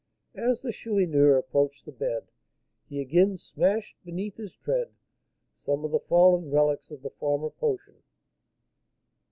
As the Chourineur approached the bed, he again smashed beneath his tread some of the fallen relics of the former potion.